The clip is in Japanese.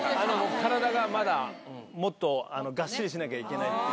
体がまだもっとがっしりしなきゃいけない。